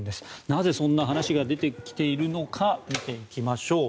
なぜそんな話が出てきているのか見ていきましょう。